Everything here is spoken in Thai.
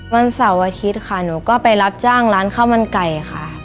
วันเสาร์อาทิตย์ค่ะหนูก็ไปรับจ้างร้านข้าวมันไก่ค่ะ